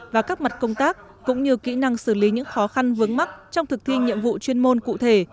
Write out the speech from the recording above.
và các mặt công tác cũng như kỹ năng xử lý những khó khăn vướng mắt trong thực thi nhiệm vụ chuyên môn cụ thể